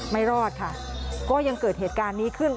ไม่รอดค่ะก็ยังเกิดเหตุการณ์นี้ขึ้น